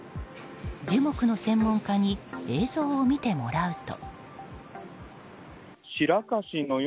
樹木の専門家に映像を見てもらうと。